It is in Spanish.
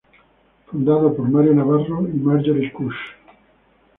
Fundado por Mario Navarro y Marjorie Kusch.